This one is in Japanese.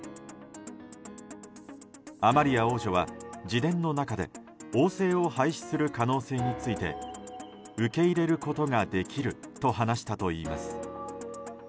アマリア王女は自伝の中で王制を廃止する可能性について受け入れることができると話したといいます。